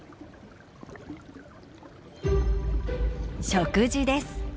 食事です。